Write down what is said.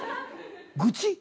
愚痴？